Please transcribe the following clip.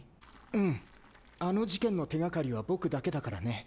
うんあの事件の手がかりは僕だけだからね。